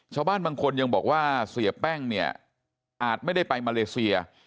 ชาวบ้านบางคนยังบอกว่าเสียแป้งเนี่ยอาจไม่ได้ไปมาเลเซีย